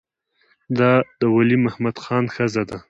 دا د ولی محمد خان ښځه ده.